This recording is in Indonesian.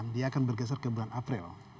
dia akan bergeser ke bulan april